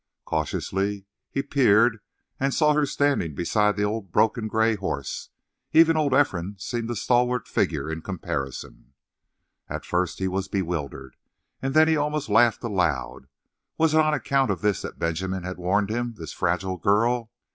Cautiously he peered and he saw her standing beside the old, broken gray horse. Even old Ephraim seemed a stalwart figure in comparison. At first he was bewildered, and then he almost laughed aloud. Was it on account of this that Benjamin had warned him, this fragile girl?